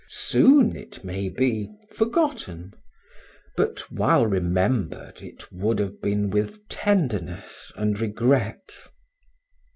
Soon it may be forgotten, but while remembered it would have been with tenderness and regret.